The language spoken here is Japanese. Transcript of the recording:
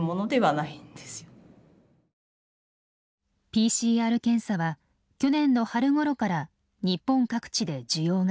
ＰＣＲ検査は去年の春ごろから日本各地で需要が急増。